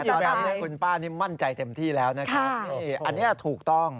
แต่ตอนนี้คุณป้านี่มั่นใจเต็มที่แล้วอันนี้ถูกต้อง